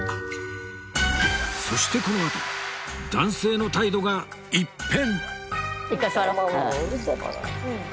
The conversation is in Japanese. そしてこのあと男性の態度が一変！